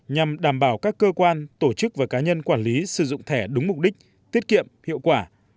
nhằm đảm bảo các cơ quan tổ chức và cá nhân quản lý sử dụng thẻ đúng mục đích tiết kiệm hiệu quả